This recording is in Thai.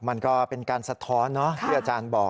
มันก็เป็นการสะท้อนที่อาจารย์บอก